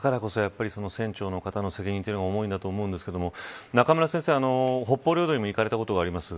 だからこそ、船長の方の責任も重いと思うんですが中村先生、北方領土にも行かれたことがあります。